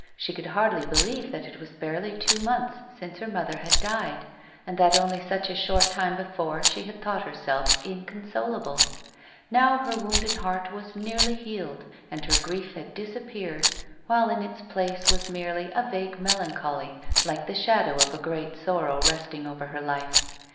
She could hardly believe that it was barely two months since her mother had died, and that only such a short time before she had thought herself inconsolable. Now her wounded heart was; nearlv licaled A WOMAN'S LIFE. 171 and her grief had disappeared, while, in its place, was merely a vague melancholy, like the shadow of a great sorrow resting over her life.